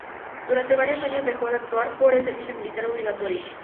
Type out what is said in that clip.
Durante varios años dejó de actuar por el servicio militar obligatorio.